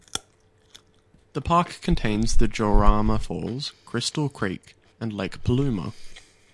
The park contains the Jourama Falls, Crystal Creek and Lake Paluma.